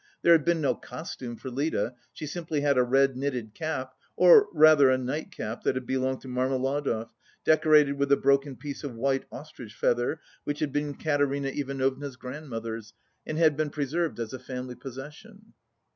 There had been no costume for Lida; she simply had a red knitted cap, or rather a night cap that had belonged to Marmeladov, decorated with a broken piece of white ostrich feather, which had been Katerina Ivanovna's grandmother's and had been preserved as a family possession.